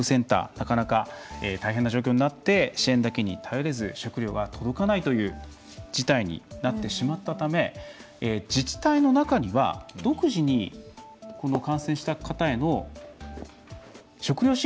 なかなか、大変な状況になって支援だけに頼れず食料が届かないという事態になってしまったため自治体の中には、独自に感染した方への食料支援を行ったところもありました。